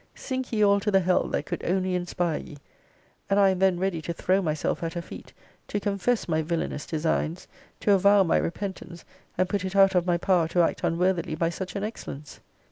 Sink ye all to the hell that could only inspire ye! And I am then ready to throw myself at her feet, to confess my villainous designs, to avow my repentance, and put it out of my power to act unworthily by such an excellence.